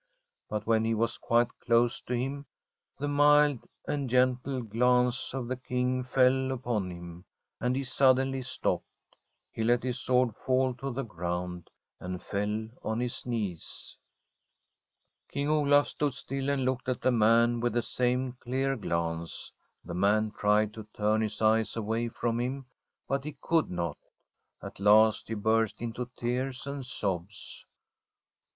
But when s SWEDISH HOMESTEAD be VX5 qshc dose to Ynsn, the mfld and gentle {T^ace 08 the King' fell upon him, and he sud rziI'T sopped. He let his sword fall to the »d. and fell on his knees. Kinc: Olaf stood still, and looked at the man vhh the same dear glance; the man tried to irrs bis eyes awav from him, but he could not. A: lasi he burst into tears and sobs.